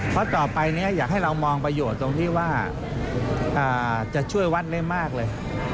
เพราะต่อไปนี้อยากให้เรามองประโยชน์ตรงที่ว่าจะช่วยวัดได้มากเลย